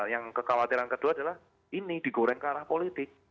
yang kekhawatiran kedua adalah ini digoreng ke arah politik